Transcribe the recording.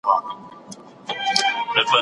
د ټولنپوهنې په وده کي دوه عوامل دي.